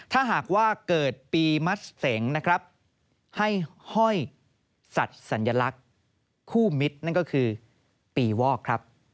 ถ้าหากว่าเกิดปีมัสเสงนะครับให้ห้อยสัตว์สัญลักษณ์คู่มิตรนั่นก็คือปีวอกครับ